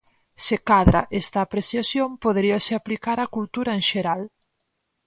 Se cadra, esta apreciación poderíase aplicar a cultura en xeral.